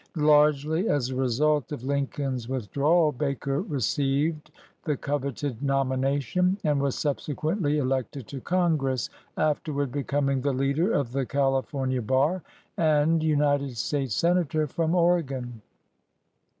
Largely as a result of Lincoln's withdrawal, Baker received the coveted nomination, and was subsequently elected to Congress, afterward becoming the leader of the California bar and United States senator from Oregon.